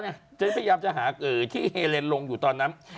จะได้พยายามจะหาที่เฮเลนลงอยู่ตอนนั้น